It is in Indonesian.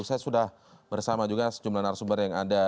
saya sudah bersama juga sejumlah narasumber yang ada